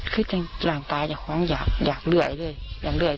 คือที่หลังตายอยากเลื่อยเลยอย่างเลื่อยตลอด